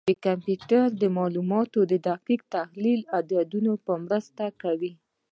کمپیوټر د معلوماتو دقیق تحلیل د عددونو په مرسته کوي.